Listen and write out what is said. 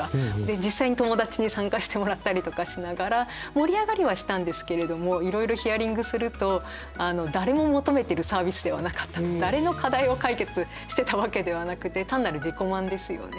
実際に友達に参加してもらったりとかしながら盛り上がりはしたんですけれどもいろいろヒアリングすると誰の課題を解決してたわけではなくて単なる自己満ですよね。